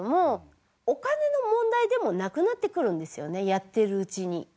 やってるうちに。